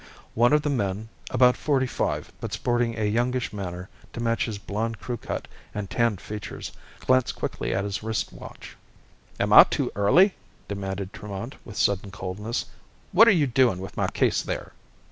One of the men, about forty five but sporting a youngish manner to match his blond crewcut and tanned features, glanced quickly at his wrist watch. "Am I too early?" demanded Tremont with sudden coldness. "What are you doing with my case there?"